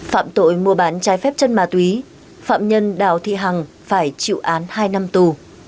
phạm tội mua bán trái phép chân ma túy phạm nhân đào thị hằng phải chịu án hai năm tù